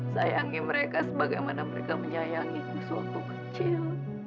sayangi mereka sebagaimana mereka menyayangiku suatu kecil